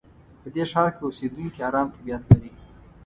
په دې ښار کې اوسېدونکي ارام طبیعت لري.